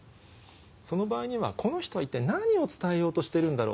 その場合にはこの人は一体何を伝えようとしてるんだろう？